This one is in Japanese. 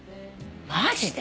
マジで？